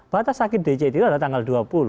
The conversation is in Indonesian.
batas sakit dce itu adalah tanggal